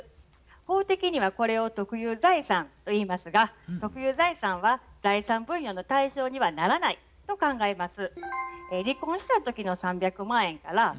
法的にはこれを特有財産といいますが特有財産は財産分与の対象にはならないと考えます。